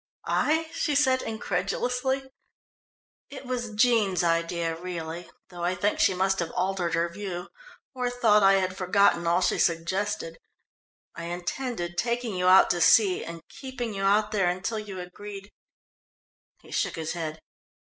"I?" she said incredulously. "It was Jean's idea, really, though I think she must have altered her view, or thought I had forgotten all she suggested. I intended taking you out to sea and keeping you out there until you agreed " he shook his head.